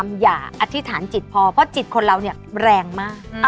ทำอย่าอธิษฐานจิตพอเพราะจิตคนเราแรงมาก